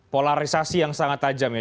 polarisasi yang sangat tajam ya